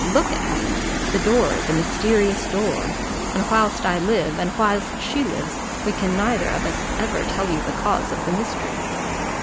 look at me the door, the mysterious door and whilst I live, and whilst she lives, we can neither of us ever tell you the cause of the mystery.